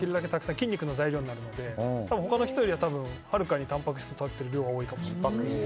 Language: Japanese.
筋肉の材料になるので他の人よりははるかにたんぱく質をとってる量は多いかもしれません。